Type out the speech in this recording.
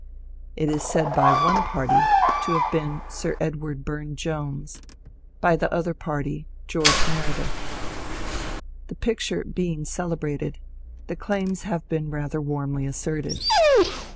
It is said by one party to have been Sir Edward Bume Jones, by the other party George Meredith. The picture be ing celebrated, the claims have been rather warmly asserted.